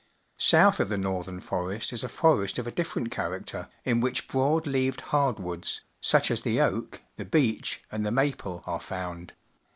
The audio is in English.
South of the northern forest is a forest of a different character, in which broad leaved hardwoods, such as the oak, the beech, and the maple, are found.